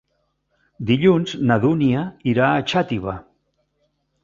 Dilluns na Dúnia irà a Xàtiva.